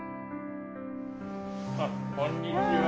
あっこんにちは。